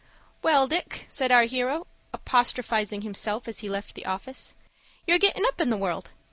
"Well, Dick," said our hero, apostrophizing himself, as he left the office; "you're gettin' up in the world.